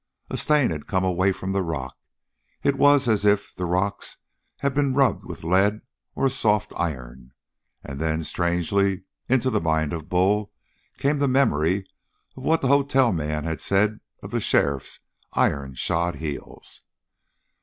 A stain had come away from the rock. It was as if the rocks had been rubbed with lead or a soft iron. And then, strangely, into the mind of Bull came the memory of what the hotel man had said of the sheriff's iron shod heels.